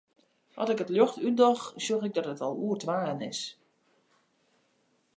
At ik it ljocht útdoch, sjoch ik dat it al oer twaen is.